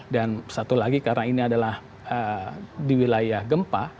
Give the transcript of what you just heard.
dan satu lagi karena ini adalah di wilayah gempa